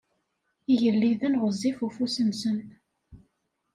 Igelliden ɣezzif ufus-nsen.